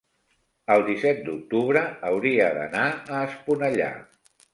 el disset d'octubre hauria d'anar a Esponellà.